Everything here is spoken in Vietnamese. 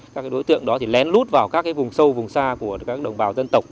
các đối tượng đó lén lút vào các vùng sâu vùng xa của các đồng bào dân tộc